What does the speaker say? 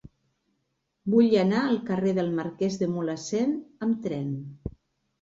Vull anar al carrer del Marquès de Mulhacén amb tren.